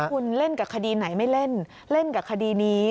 คุณเล่นกับคดีไหนไม่เล่นเล่นกับคดีนี้